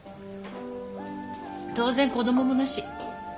当然子供もなし。